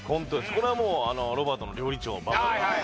これはもうロバートの料理長・馬場がはい